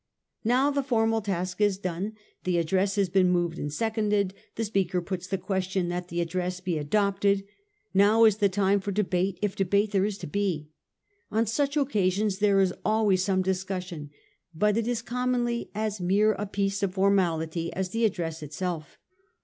Now the formal task is done. The address has been moved and seconded. The Speaker puts the question that the address be adopted. Now is the time for debate, if debate there is to be. On such occa sions there is always some discussion, but it is com monly as mere a piece of formality as the address itself.